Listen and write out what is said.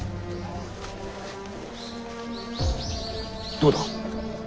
どうだ？